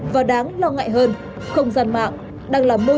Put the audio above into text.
và đáng lo ngại hơn không gian mạng đang là mối quan hệ của các quốc gia